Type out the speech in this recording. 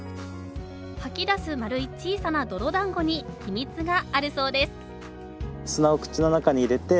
吐き出す丸い小さな泥だんごに秘密があるそうです。